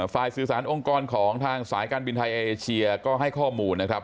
สื่อสารองค์กรของทางสายการบินไทยเอเชียก็ให้ข้อมูลนะครับ